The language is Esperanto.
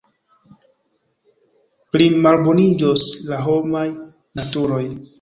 Plimalboniĝos la homaj naturoj.